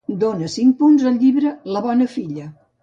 Dóna cinc punts al llibre La bona filla